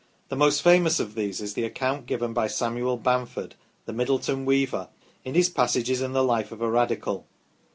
The most famous of these is the account given by Samuel Bamford, the Middleton weaver, in his " Passages in the Life of a Radical